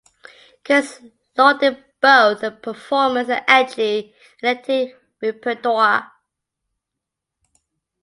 Critics lauded both the performance and the edgy, eclectic repertoire.